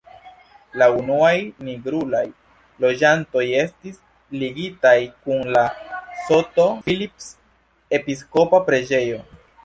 La unuaj nigrulaj loĝantoj estis ligitaj kun la St.-Philips-Episkopa-Preĝejo.